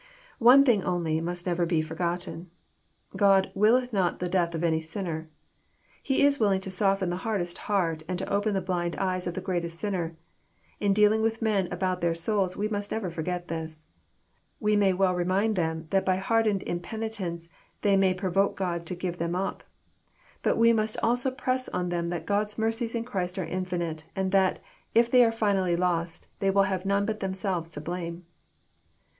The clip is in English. One thing only must never be forgotten. God " willeth not the death of any sinner." He is willing to soften the hardest heart, and to open the blind eyes of the greatest sinner. In dealing with men about their souls we must never forget this. We may well remind them that by hardened impenitence they may pro voke God to give them up. But we must also press on them that God*s mercies In Christ are infinite, and that, if tbey are finally lost, they will have none but themselves to blame.